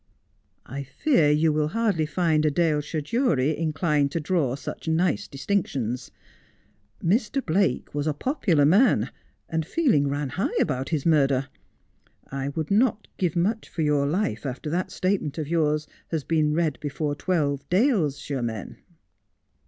' I fear you will hardly find a Daleshire jury inclined to draw such nice distinctions. Mr. Blake was a popular man, and feeling ran high about his murder. I would not give much for your life after that statement of yours has been read before twelve Daleshiremen.'